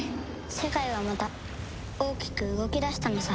世界はまた大きく動き出したのさ。